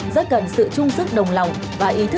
rất cần sự trung sức đồng lòng và ý thức